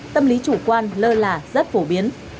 tâm lý chủ quan lơ là rất phổ biến